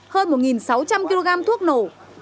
hơn một sáu trăm linh kg thuốc nổ